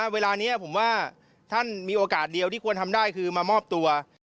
เวลานี้ผมว่าท่านมีโอกาสเดียวที่ควรทำได้คือมามอบตัว